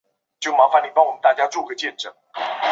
当时这场飓风是墨西哥在近代遭受的最严重的自然灾害。